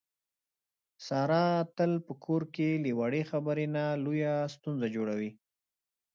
ساره تل په کور کې له وړې خبرې نه لویه ستونزه جوړي.